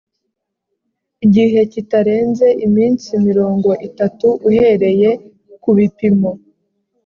gihe kitarenze iminsi mirongo itatu uhereye kubipimo